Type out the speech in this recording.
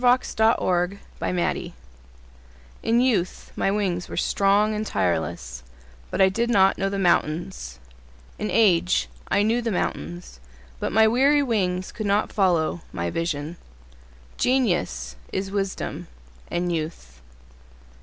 Alexander Throckmorton In youth my wings were strong and tireless, But I did not know the mountains. In age I knew the mountains But my weary wings could not follow my vision— Genius is wisdom and youth.